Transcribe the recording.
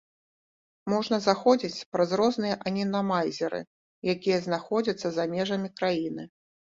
Можна заходзіць праз розныя ананімайзеры, якія знаходзяцца за межамі краіны.